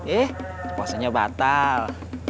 eh puasanya batal